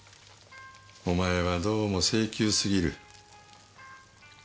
お前はどうも性急すぎる。